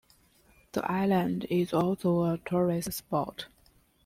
The island is also a tourist spot.